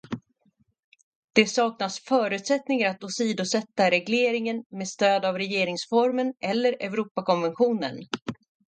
Det saknas förutsättningar att åsidosätta regleringen med stöd av regeringsformen eller Europakonventionen.